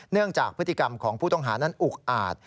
เนื่องจากพฤติกรรมของผู้ต้องหานั้นอุกอาจ